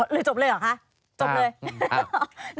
อ๋อหรือจบเลยเหรอคะจบเลย